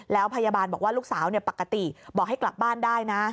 แล้วพยาบาลบอกว่าลูกสาวปกติบอกให้กลับบ้านได้นะ